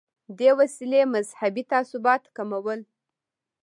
دې وسیلې مذهبي تعصبات کمول.